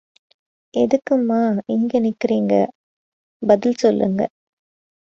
எதுக்கும்மா... இங்கே நிற்கிங்க... பதில் சொல்லுங்க.